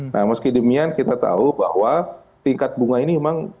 nah meski demikian kita tahu bahwa tingkat bunga ini memang